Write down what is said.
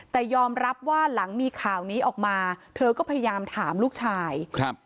แต่ยอมรับว่าหลังมีข่าวนี้ออกมาเธอก็พยายามถามลูกชายครับ